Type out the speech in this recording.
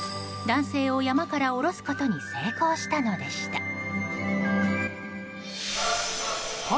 男性を山から下ろすことに成功したのでした。